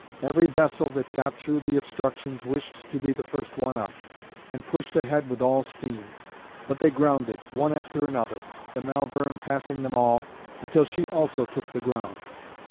Every vessel that got through the obstructions wished to be the first one up, and pushed ahead with all steam; but they grounded, one after another, the 'Malvern' passing them all, until she also took the ground.